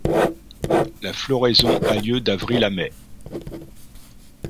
La floraison a lieu d'avril à mai.